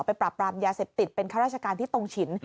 ปราบปรามยาเสพติดเป็นข้าราชการที่ตรงฉิน